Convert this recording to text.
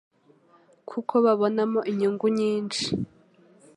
kuko babonamo inyungu nyinshi